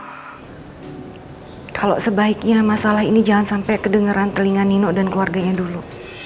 kalau sebaiknya masalah ini jangan sampai kedengeran telinga nino dan keluarganya dulu